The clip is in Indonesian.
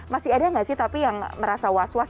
masih ada nggak sih tapi yang merasa was was